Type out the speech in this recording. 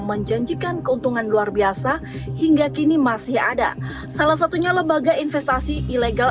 menjanjikan keuntungan luar biasa hingga kini masih ada salah satunya lembaga investasi ilegal